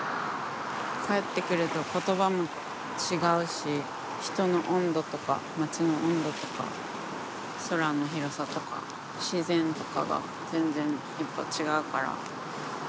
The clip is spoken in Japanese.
帰ってくると言葉も違うし人の温度とか街の温度とか空の広さとか自然とかが全然やっぱ違うから。